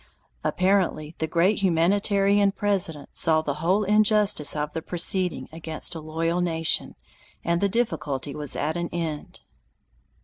Apparently that great humanitarian President saw the whole injustice of the proceeding against a loyal nation, and the difficulty was at an end.